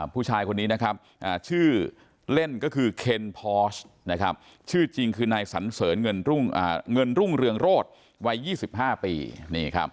ผู้ชายคนนี้นะครับชื่อเล่นก็คือเคนพอสชื่อจริงคือนายสันเสริญเงินรุ่งเรืองโรศวัย๒๕ปี